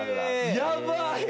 やばい！